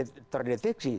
belum tentu terdeteksi